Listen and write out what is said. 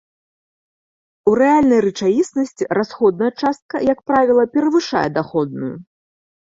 У рэальнай рэчаіснасці расходная частка, як правіла, перавышае даходную.